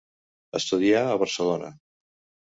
Estudià a Barcelona.